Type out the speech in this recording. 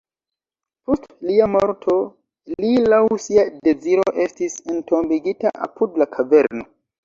Post lia morto li laŭ sia deziro estis entombigita apud la kaverno.